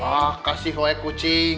ah kasih hue kucing